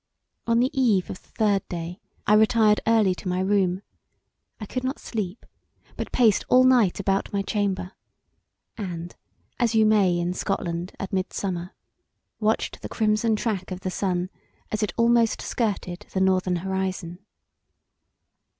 On the eve of the third day I retired early to my room; I could not sleep but paced all night about my chamber and, as you may in Scotland at midsummer, watched the crimson track of the sun as it almost skirted the northern horizon.